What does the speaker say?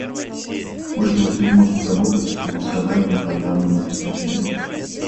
Пользователь может работать с профессиональным программным обеспечением